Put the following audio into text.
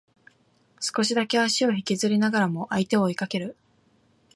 少しだけ足を引きずりながらも相手を追いかける